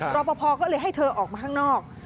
รับประพวะเลยให้เธอออกมาข้างนอก